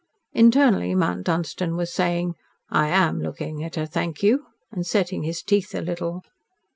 Internally Mount Dunstan was saying: "I am looking at her, thank you," and setting his teeth a little.